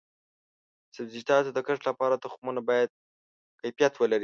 د سبزیجاتو د کښت لپاره تخمونه باید کیفیت ولري.